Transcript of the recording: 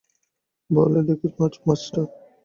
বলে, দেখি মা মাছটা?